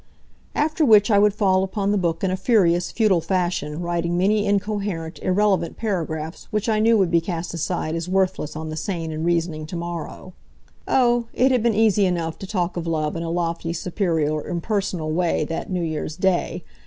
After which I would fall upon the book in a furious, futile fashion, writing many incoherent, irrelevant paragraphs which I knew would be cast aside as worthless on the sane and reasoning to morrow. Oh, it had been easy enough to talk of love in a lofty, superior impersonal way that New Year's day.